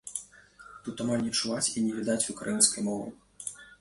Тут амаль не чуваць і не відаць украінскай мовы.